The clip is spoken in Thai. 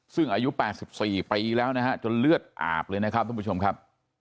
ซึ่งอายุ๘๔ปีแล้วนะฮะจนเลือดอาบเลยนะครับทุกผู้ชมครับ